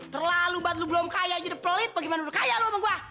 terlalu banget lu belum kaya jadi pelit bagaimana lu kaya lu sama gua